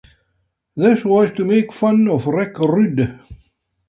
This was to make fun of Rick Rude.